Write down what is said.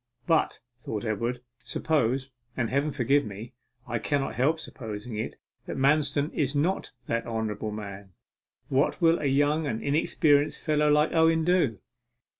'But,' thought Edward, 'suppose and Heaven forgive me, I cannot help supposing it that Manston is not that honourable man, what will a young and inexperienced fellow like Owen do?